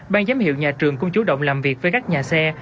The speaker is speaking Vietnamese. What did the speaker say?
ban giám hiệu nhà trường cũng chủ động làm việc với các nhà xe